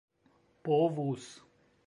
povus